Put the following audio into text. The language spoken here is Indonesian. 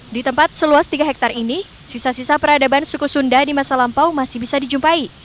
di tempat seluas tiga hektare ini sisa sisa peradaban suku sunda di masa lampau masih bisa dijumpai